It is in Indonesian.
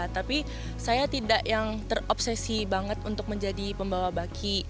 tapi saya tidak yang terobsesi banget untuk menjadi pembawa baki